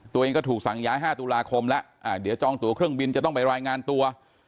ตัวเองก็ถูกสั่งย้าย๕ตุลาคมแล้วเดี๋ยวจองตัวเครื่องบินจะต้องไปรายงานตัว